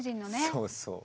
そうそう。